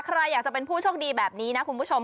ใครอยากจะเป็นผู้โชคดีแบบนี้นะคุณผู้ชม